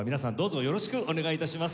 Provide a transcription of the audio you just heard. よろしくお願いします。